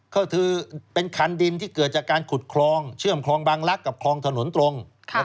ก็คือเป็นคันดินที่เกิดจากการขุดคลองเชื่อมคลองบางลักษณ์กับคลองถนนตรง